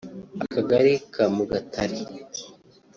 akagali ka Mugatare